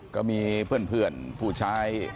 ก็มีเพื่อนผู้ชาย